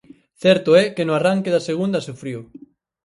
Certo é que no arranque da segunda sufriu.